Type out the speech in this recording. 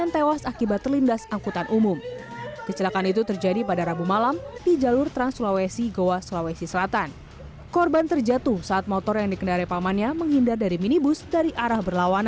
tangis keluarga pecah